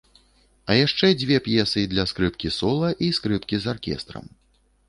А яшчэ дзве п'есы для скрыпкі-сола і скрыпкі з аркестрам.